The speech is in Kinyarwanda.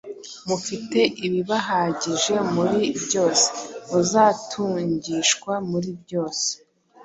mufite ibibahagije muri byose; …muzatungishwa muri byose,